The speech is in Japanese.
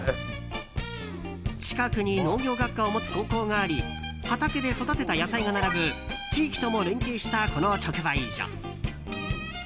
近くに農業学科を持つ高校があり畑で育てた野菜が並ぶ地域とも連携したこの直売所。